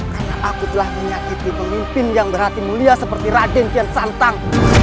karena aku telah menjadi pemimpin yang berhati mulia seperti raden kian santang